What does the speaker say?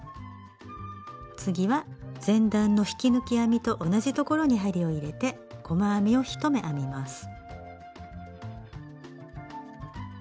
次は前段の引き抜き編みと同じところに針を入れて細編みを１目編みます。